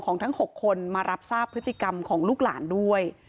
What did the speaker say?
ทั้ง๖คนมารับทราบพฤติกรรมของลูกหลานด้วย